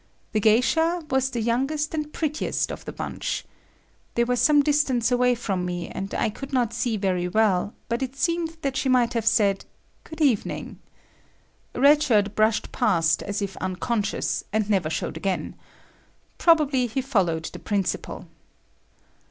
The geisha was the youngest and prettiest of the bunch. They were some distance away from me and I could not see very well, but it seemed that she might have said "Good evening." Red Shirt brushed past as if unconscious, and never showed again. Probably he followed the principal.